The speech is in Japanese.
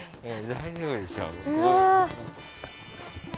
大丈夫でしょ。